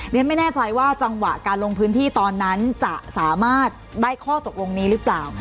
ไม่แน่ใจว่าจังหวะการลงพื้นที่ตอนนั้นจะสามารถได้ข้อตกลงนี้หรือเปล่า